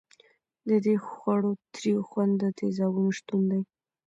د دې خوړو تریو خوند د تیزابونو شتون دی.